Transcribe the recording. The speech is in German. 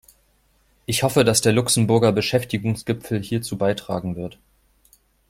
Ich hoffe, dass der Luxemburger Beschäftigungsgipfel hierzu beitragen wird.